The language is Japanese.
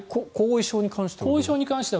後遺症に関しては？